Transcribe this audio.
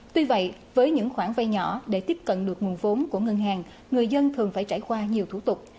tuy vậy với những khoản vay nhỏ để tiếp cận được nguồn vốn của ngân hàng người dân thường phải trải qua nhiều thủ tục